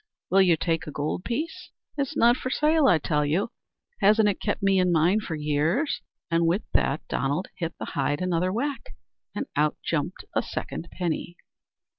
"Will you take a gold piece?" "It's not for sale, I tell you. Hasn't it kept me and mine for years?" and with that Donald hit the hide another whack and out jumped a second penny.